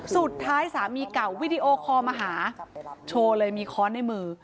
สามีเก่าวิดีโอคอลมาหาโชว์เลยมีค้อนในมือ